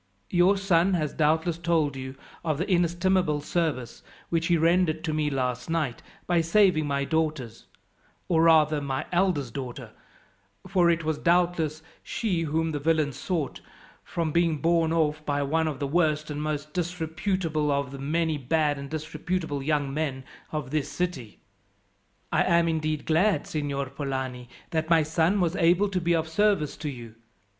Your son has doubtless told you of the inestimable service, which he rendered to me last night, by saving my daughters, or rather my eldest daughter for it was doubtless she whom the villains sought from being borne off by one of the worst and most disreputable of the many bad and disreputable young men of this city." "I am indeed glad, Signor Polani, that my son was able to be of service to you.